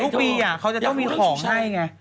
พรรภ์๖ปีเขาจะต้องมีของให้ไง